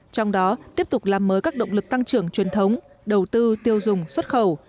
trong đó tiếp tục làm mới các động lực tăng trưởng truyền thống đầu tư tiêu dùng xuất khẩu